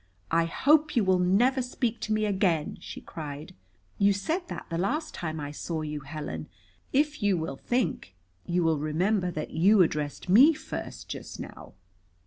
"I hope you will never speak to me again," she cried. "You said that the last time I saw you, Helen. If you will think, you will remember that you addressed me first just now."